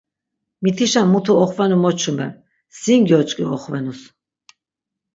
Mitişen mutu oxvenu mo çumer, sin gyoç̆k̆i oxvenus.